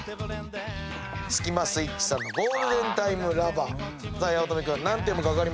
スキマスイッチさんの『ゴールデンタイムラバー』八乙女君何て読む？